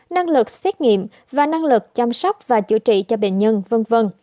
năng lực xét nghiệm và năng lực chăm sóc và chữa trị cho bệnh nhân v v